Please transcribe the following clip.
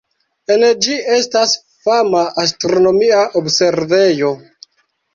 En ĝi estas fama astronomia observejo.